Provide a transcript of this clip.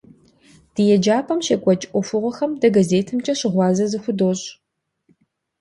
Ди еджапӏэм щекӏуэкӏ ӏуэхугъуэхэм дэ газетымкӏэ щыгъуазэ зыхудощӏ.